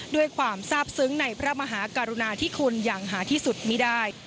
ด้วยความทราบซึ้งในพระมหากรุณาที่คุณอย่างหาที่สุดไม่ได้